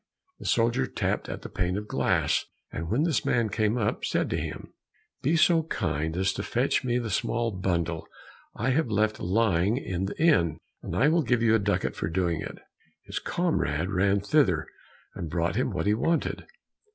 The soldier tapped at the pane of glass, and when this man came up, said to him, "Be so kind as to fetch me the small bundle I have left lying in the inn, and I will give you a ducat for doing it." His comrade ran thither and brought him what he wanted.